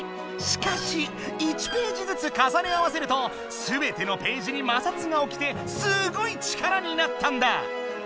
しかし１ページずつかさね合わせるとすべてのページに摩擦がおきてすごい力になったんだ！